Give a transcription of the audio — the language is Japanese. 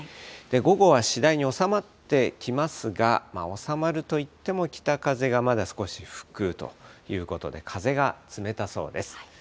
午後は次第に収まってきますが、収まるといっても、北風がまだ少し吹くということで、風が冷たそうです。